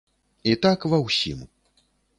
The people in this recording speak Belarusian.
І так ва ўсім.